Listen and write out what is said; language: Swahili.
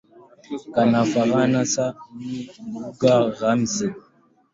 Kifaransa ni lugha rasmi.